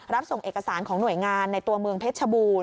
รับส่งเอกสารของหน่วยงานในตัวเมืองเพชรชบูรณ